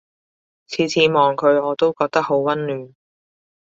次次望佢我都覺得好溫暖